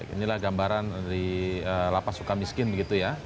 inilah gambaran dari lapas suka miskin begitu ya